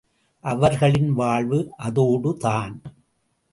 அவர்களின் வாழ்வு அதோடுதான்.